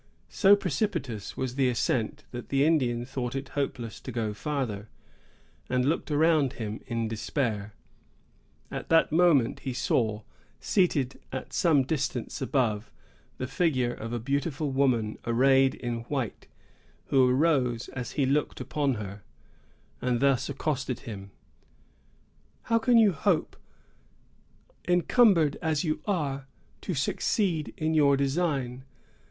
So precipitous was the ascent, that the Indian thought it hopeless to go farther, and looked around him in despair: at that moment, he saw, seated at some distance above, the figure of a beautiful woman arrayed in white, who arose as he looked upon her, and thus accosted him: 'How can you hope, encumbered as you are, to succeed in your design?